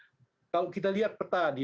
karena kalau kita lihat peta